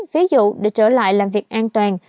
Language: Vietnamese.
ví dụ để trở lại làm việc an toàn